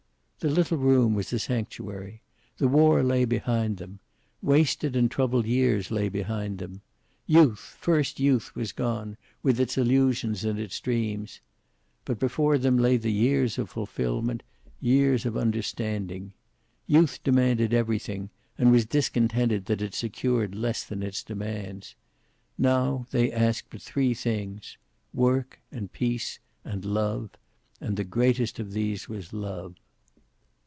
The little room was a sanctuary. The war lay behind them. Wasted and troubled years lay behind them. Youth, first youth, was gone, with its illusions and its dreams. But before them lay the years of fulfilment, years of understanding. Youth demanded everything, and was discontented that it secured less than its demands. Now they asked but three things, work, and peace, and love. And the greatest of these was love.